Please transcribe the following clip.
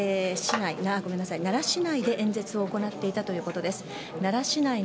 奈良市内で演説を行っていたということです。